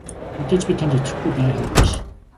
Мэдээж би танд итгэхгүй байгаа хэрэг биш.